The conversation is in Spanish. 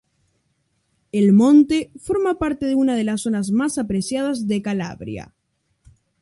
El monte forma parte de una de las zonas más apreciadas de Calabria.